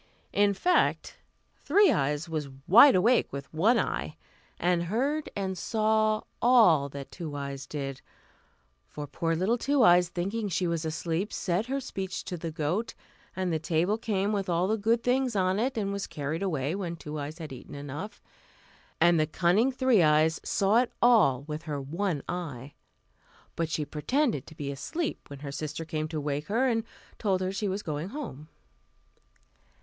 In fact, Three Eyes was wide awake with one eye, and heard and saw all that Two Eyes did; for poor little Two Eyes, thinking she was asleep, said her speech to the goat, and the table came with all the good things on it, and was carried away when Two Eyes had eaten enough; and the cunning Three Eyes saw it all with her one eye. But she pretended to be asleep when her sister came to wake her and told her she was going home.